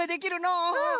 うん。